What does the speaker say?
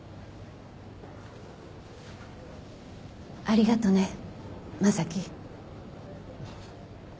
ありがとね正樹。